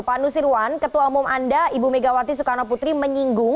pak nusirwan ketua umum anda ibu megawati soekarno putri menyinggung